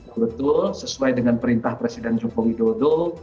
jadi koordinasi kami sesuai dengan perintah presiden joko widodo